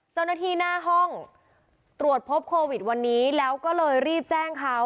เจ้าหน้าที่หน้าห้องตรวจพบโควิดวันนี้แล้วก็เลยรีบแจ้งเขา